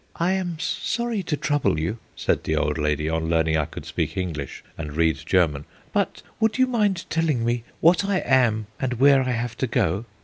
"I am sorry to trouble you," said the old lady, on learning I could speak English and read German, "but would you mind telling me what I am and where I have to go?"